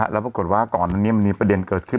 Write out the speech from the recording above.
แล้วปรากฏว่าก่อนอันนี้มันมีประเด็นเกิดขึ้น